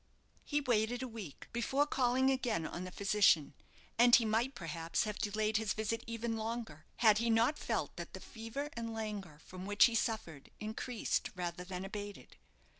He waited a week before calling again on the physician; and he might, perhaps, have delayed his visit even longer, had he not felt that the fever and languor from which he suffered increased rather than abated.